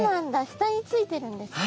下についてるんですね。